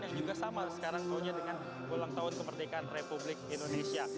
yang juga sama sekarang tentunya dengan ulang tahun kemerdekaan republik indonesia